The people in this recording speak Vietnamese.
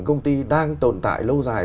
công ty đang tồn tại lâu dài